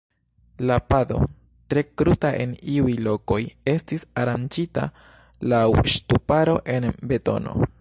La pado, tre kruta en iuj lokoj, estis aranĝita laŭ ŝtuparo el betono.